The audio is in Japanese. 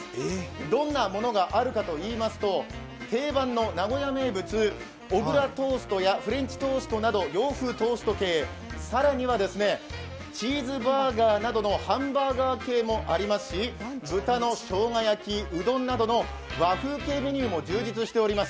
どんなものがあるかといいますと定番の名古屋名物小倉トーストやフレンチトーストなど洋風トースト系更にはチーズバーガーなどのハンバーガー系もありますし豚のしょうが焼き、うどんなどの和風系メニューも充実しています。